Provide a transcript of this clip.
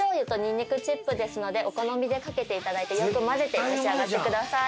お好みでかけていただいてよく混ぜて召し上がってください。